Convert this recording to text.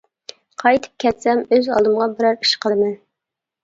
قايتىپ كەتسەم، ئۆز ئالدىمغا بىرەر ئىش قىلىمەن.